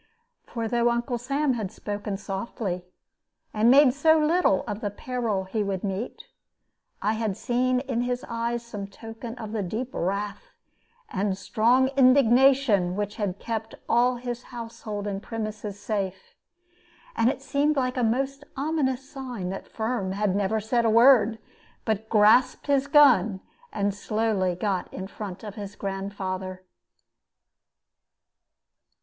For though Uncle Sam had spoken softly, and made so little of the peril he would meet, I had seen in his eyes some token of the deep wrath and strong indignation which had kept all his household and premises safe. And it seemed a most ominous sign that Firm had never said a word, but grasped his gun, and slowly got in front of his grandfather.